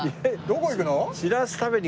どこ行くの？